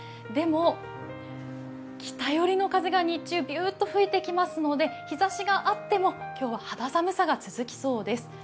でも北寄りの風が日中ビューッと吹いてきますので日ざしがあっても、今日は肌寒さが続きそうです。